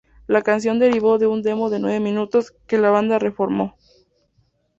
La canción derivó de un demo de nueve minutos, que la banda reformó.